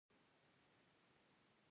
په افغانستان کې پسرلی ډېر اهمیت لري.